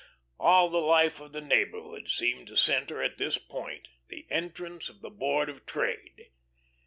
All the life of the neighbourhood seemed to centre at this point the entrance of the Board of Trade.